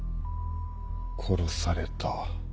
殺された。